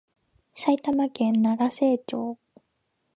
埼玉県長瀞町